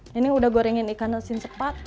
nining udah gorengin ikan asin sepat